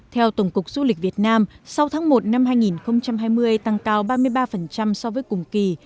theo tổng cục du lịch việt nam sau tháng một năm hai nghìn hai mươi tăng cao ba mươi ba so với cùng kỳ